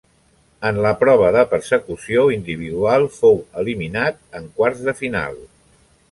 En la prova de persecució individual fou eliminat en quarts de final.